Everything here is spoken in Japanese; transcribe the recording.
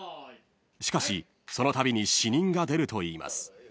［しかしそのたびに死人が出るといいます］